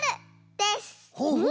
です。